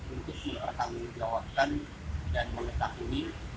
untuk menerangkan dan mengetahui